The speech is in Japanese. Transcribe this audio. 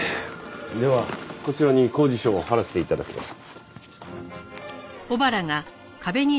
ではこちらに公示書を貼らせて頂きます。